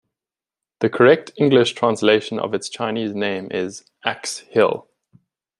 The correct English translation of its Chinese name is "Axe Hill".